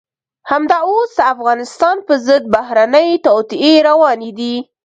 همدا اوس د افغانستان په ضد بهرنۍ توطئې روانې دي.